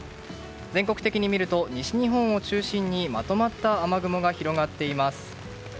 全国的に見ると西日本を中心にまとまった雨雲が広がっています。